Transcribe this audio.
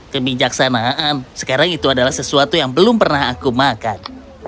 kebijaksanaan sekarang itu adalah sesuatu yang belum pernah aku makan